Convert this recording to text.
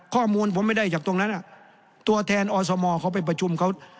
ข้อมูลผมไม่ได้จากตรงนั้นตัวแทนอสมเขาไปประชุมเขา